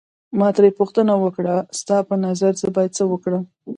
ما ترې پوښتنه وکړه ستا په نظر زه باید څه وکړم.